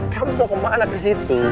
kamu mau ke mana ke situ